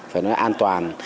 phải nói an toàn